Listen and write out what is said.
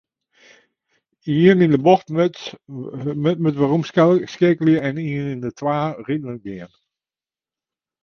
Yn in bocht moatst weromskeakelje en yn de twa riden gean.